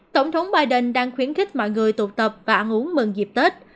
tổng thống biden đang khuyến khích mọi người tụ tập và ăn uống mừng dịp tết